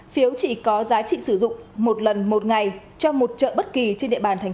phiếu chỉ có giá trị sử dụng một lần một ngày cho một chợ bất kỳ trên địa bàn tp đà nẵng